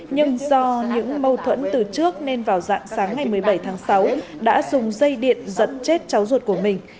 nhưng do những mâu thuẫn từ trước nên vào dạng sáng ngày một mươi bảy tháng sáu đã dùng dây điện giật chết cháu ruột của mình